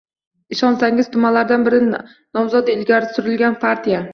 Ishonsangiz, tumanlardan biridan nomzodi ilgari surilgan partiya